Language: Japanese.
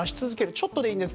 ちょっとでいいんです。